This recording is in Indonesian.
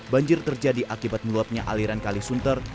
banjir terjadi akibat meluapnya aliran kali sunter